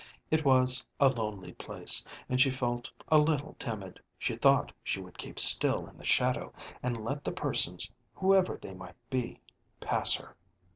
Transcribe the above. It was a lonely place, and she felt a little timid. She thought she would keep still in the shadow and let the persons, whoever they might be, pass her.